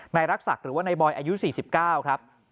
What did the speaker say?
นายรักษักหรือว่านายบอยอายุ๔๙ครับ